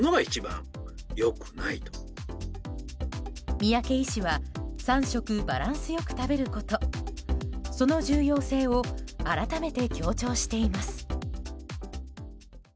三宅医師は３食バランス良く食べることその重要性を改めて強調しています。